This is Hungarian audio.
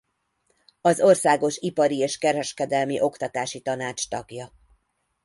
Az országos ipari és kereskedelmi oktatási tanács tagja.